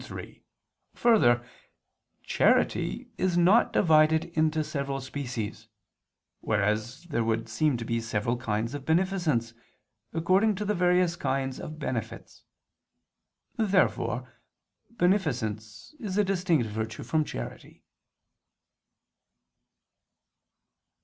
3: Further, charity is not divided into several species: whereas there would seem to be several kinds of beneficence, according to the various kinds of benefits. Therefore beneficence is a distinct virtue from charity.